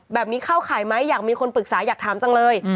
แบบนี้เข้าข่ายไหมอยากมีคนปรึกษาอยากถามจังเลย